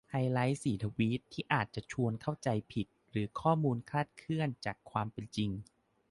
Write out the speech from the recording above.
ไฮไลต์สีทวีตที่อาจจะชวนเข้าใจผิดหรือข้อมูลคลาดเคลื่อนจากความเป็นจริง